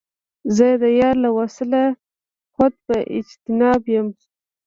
زه د یار له وصله خود په اجتناب یم